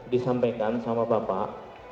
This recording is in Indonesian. disampaikan sama bapak